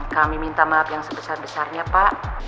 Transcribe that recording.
kami minta maaf yang sebesar besarnya pak